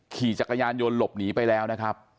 ขี่จักรยานยนต์หลบหนีไปแล้วนะครับ